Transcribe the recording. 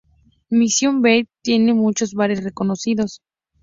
Mission Beach tiene muchos bares reconocidos.